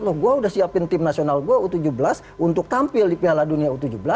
loh saya sudah siapkan tim nasional saya u tujuh belas untuk tampil di piala dunia u tujuh belas